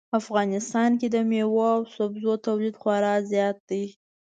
افغانستان کې د میوو او سبو تولید خورا زیات ده